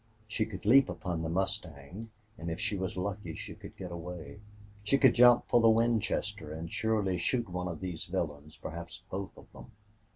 She could leap upon the mustang, and if she was lucky she could get away. She could jump for the Winchester and surely shoot one of these villains, perhaps both of them.